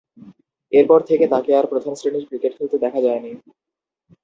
এরপর থেকে তাকে আর প্রথম-শ্রেণীর ক্রিকেট খেলতে দেখা যায়নি।